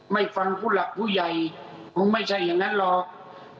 ไม่ฟังผู้หลักผู้ใหญ่มึงไม่ใช่อย่างนั้นหรอก